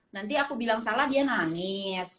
nanti aku bilang salah dia nangis